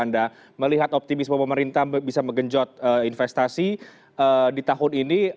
apa yang menjadi catatan penting bagi anda sekali lagi kepada pemerintah dan semua pihak terkait dengan prediksi ekonomi di tahun ini